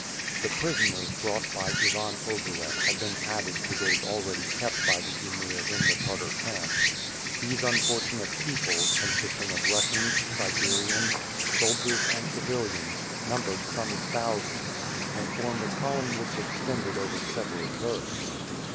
The prisoners brought by Ivan Ogareff had been added to those already kept by the Emir in the Tartar camp. These unfortunate people, consisting of Russians, Siberians, soldiers and civilians, numbered some thousands, and formed a column which extended over several versts.